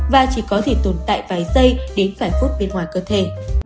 và chỉ có thể tồn tại vài giây đến vài phút bên ngoài cơ thể